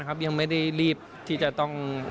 ยังไม่ได้รีบที่จะต้อง